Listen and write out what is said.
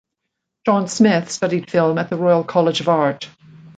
John Smith studied film at the Royal College of Art.